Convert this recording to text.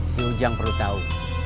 si ujang perlu tau